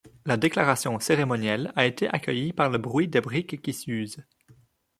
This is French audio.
La déclaration cérémonielle a été accueillie par le bruit des briques qui s’usent.